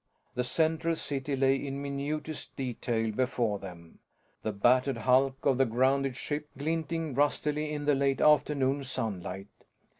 The central city lay in minutest detail before them, the battered hulk of the grounded ship glinting rustily in the late afternoon sunlight.